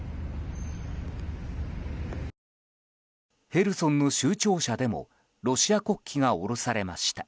ヘルソンの州庁舎でもロシア国旗が降ろされました。